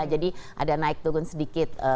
jadi ada naik turun sedikit